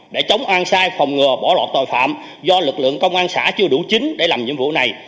để chống an sai phòng ngừa bỏ lọt tội phạm do lực lượng công an xã chưa đủ chính để làm nhiệm vụ này